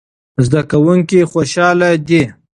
زده کوونکي خوشاله دي.